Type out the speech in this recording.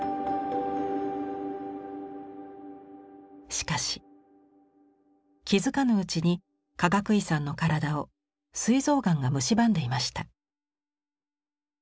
しかし気付かぬうちにかがくいさんの体をすい臓がんがむしばんでいました。